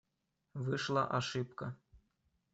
Вышла ошибка.